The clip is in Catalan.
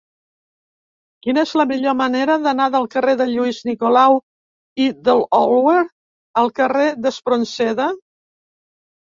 Quina és la millor manera d'anar del carrer de Lluís Nicolau i d'Olwer al carrer d'Espronceda?